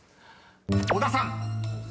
［小田さん］